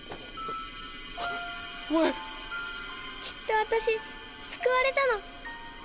きっと私救われたの。